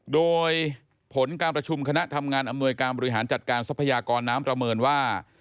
โดยผลการประชุมคณะทำงานอำนวยการบริหารจัดการทรัพยากรน้ำประเมินว่า